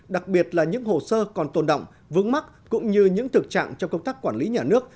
đặc biệt là những hồ sơ còn tồn động vướng mắt cũng như những thực trạng trong công tác quản lý nhà nước